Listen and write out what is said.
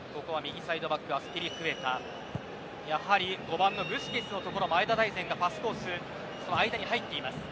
やはり５番のブスケツの所前田大然がパスコースの間に入っています。